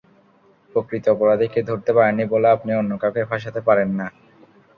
প্রকৃত অপরাধীকে ধরতে পারেননি বলে আপনি অন্য কাউকে ফাঁসাতে পারে না।